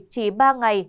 chỉ ba ngày